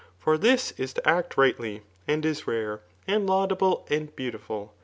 For this is to act rightly, and b rare, and laudablet and beautiful.